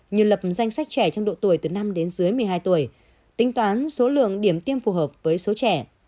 như lập danh sách trẻ trong độ tuổi từ năm đến dưới một mươi hai tuổi tính toán số lượng điểm tiêm phù hợp với số trẻ